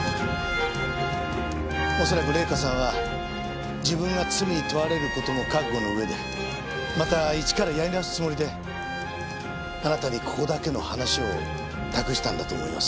恐らく礼香さんは自分が罪に問われる事も覚悟の上でまた一からやり直すつもりであなたに「ここだけの話」を託したんだと思います。